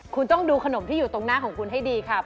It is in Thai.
คุณต้องดูขนมที่อยู่ตรงหน้าของคุณให้ดีครับ